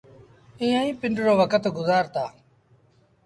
ايئين پنڊرو وکت گزآرتآ۔